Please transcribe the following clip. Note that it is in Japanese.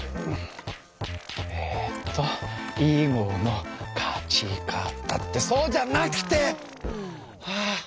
えっと「囲碁の勝ち方」ってそうじゃなくて！はあ。